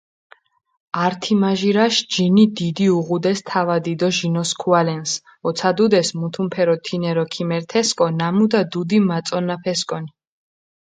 ართიმაჟირაშ ჯინი დიდი უღუდეს თავადი დო ჟინოსქუალენს, ოცადუდეს მუთუნფერო, თინერო ქიმერთესკო ნამუდა დუდი მაწონაფესკონი.